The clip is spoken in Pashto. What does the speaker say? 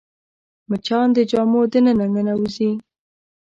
مچان د جامو دننه ننوځي